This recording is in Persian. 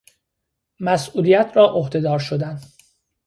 مسئولیت را عهده دار شدن